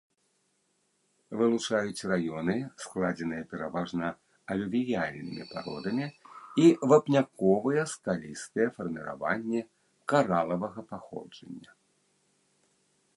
Вылучаюць раёны, складзеныя пераважна алювіяльнымі пародамі, і вапняковыя скалістыя фарміраванні каралавага паходжання.